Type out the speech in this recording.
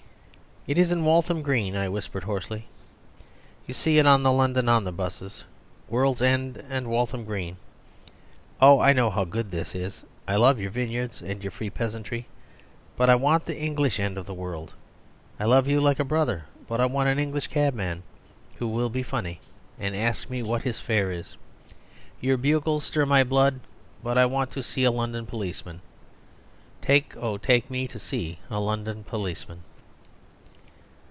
"It is in Walham Green," I whispered hoarsely. "You see it on the London omnibuses. 'World's End and Walham Green.' Oh, I know how good this is; I love your vineyards and your free peasantry, but I want the English end of the world. I love you like a brother, but I want an English cabman, who will be funny and ask me what his fare 'is.' Your bugles stir my blood, but I want to see a London policeman. Take, oh, take me to see a London policeman."